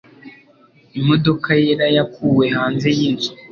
Imodoka yera yakuwe hanze yinzu.